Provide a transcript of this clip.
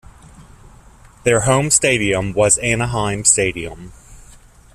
Their home stadium was Anaheim Stadium.